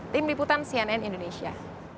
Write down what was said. tim liputan cnn indonesia